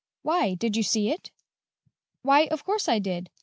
"Why, did you see it?" "Why, of course I did!